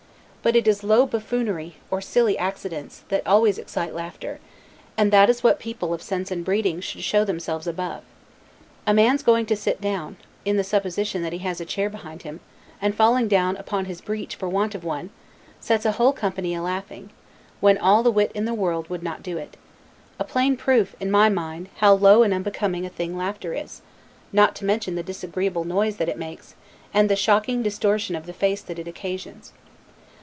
But it is low buffoonery, or silly accidents, that always excite laughter; and that is what people of sense and breeding should show themselves above. A man's going to sit down, in the supposition that he has a chair behind him, and falling down upon his breech for want of one, sets a whole company a laughing, when all the wit in the world would not do it; a plain proof, in my mind, how low and unbecoming a thing laughter is: not to mention the disagreeable noise that it makes, and the shocking distortion of the face that it occasions.